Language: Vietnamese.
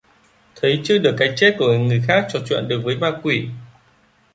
Thấy trước được cái chết của người khác trò chuyện được với ma quỷ